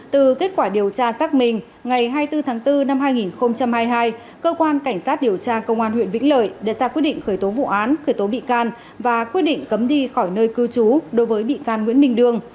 từ kết quả điều tra xác minh ngày hai mươi bốn tháng bốn năm hai nghìn hai mươi hai cơ quan cảnh sát điều tra công an huyện vĩnh lợi đã ra quyết định khởi tố vụ án khởi tố bị can và quyết định cấm đi khỏi nơi cư trú đối với bị can nguyễn minh đương